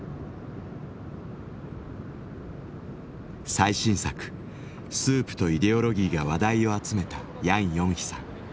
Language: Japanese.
最新作「スープとイデオロギー」が話題を集めたヤンヨンヒさん。